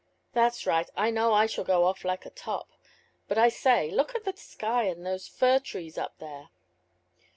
"That's right. I know I shall go off like a top. But I say, look at the sky and those fir trees up there."